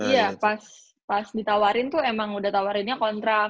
iya pas ditawarin tuh emang udah tawarinnya kontrak